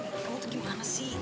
kamu tuh gimana sih